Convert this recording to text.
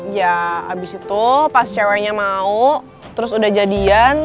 ya abis itu pas ceweknya mau terus udah jadian